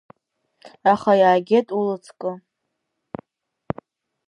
Аха иааигеит уи лыҵкы.